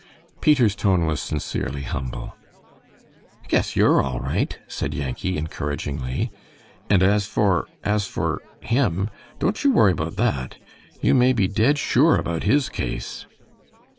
Peter's tone was sincerely humble. "Guess you're all right," said Yankee, encouragingly; "and as for as for him don't you worry about that. You may be dead sure about his case."